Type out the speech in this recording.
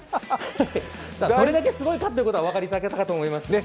どれだけすごいかということは、お分かりいただけたと思いますね。